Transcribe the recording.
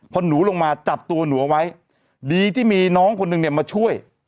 พอหนูลงมาจับตัวหนูเอาไว้ดีที่มีน้องคนหนึ่งเนี่ยมาช่วย